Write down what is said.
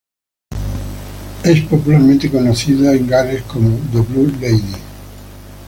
Es popularmente conocida en Gales como "The Blue Lady".